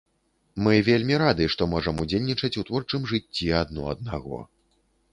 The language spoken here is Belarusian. Мы вельмі рады, што можам удзельнічаць у творчым жыцці адно аднаго.